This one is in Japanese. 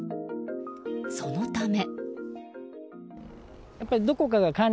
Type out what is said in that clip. そのため。